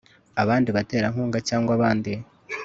abandi baterankunga cyangwa abandi